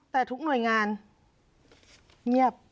แต่ทุกหน่วยงานเงียบ